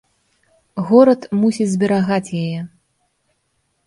Горад мусіць зберагаць яе.